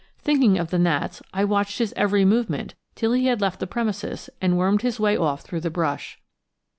Thinking of the gnats, I watched his every movement till he had left the premises and wormed his way off through the brush.